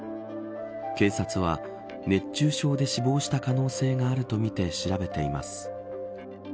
警察は、熱中症で死亡した可能性があるとみて調べています。